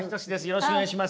よろしくお願いします。